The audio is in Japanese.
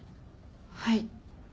はい。